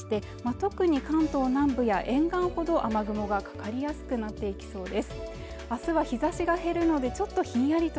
特に関東南部や沿岸ほど雨雲がかかりやすくなっていきそうです